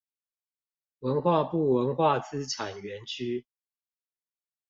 文化部文化資產園區